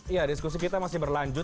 ya diskusi kita masih berlanjut